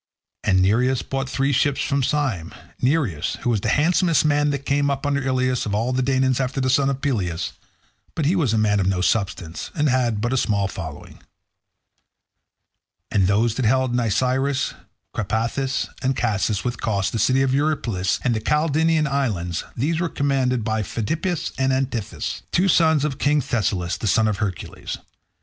And Nireus brought three ships from Syme—Nireus, who was the handsomest man that came up under Ilius of all the Danaans after the son of Peleus—but he was a man of no substance, and had but a small following. And those that held Nisyrus, Crapathus, and Casus, with Cos, the city of Eurypylus, and the Calydnian islands, these were commanded by Pheidippus and Antiphus, two sons of King Thessalus the son of Hercules.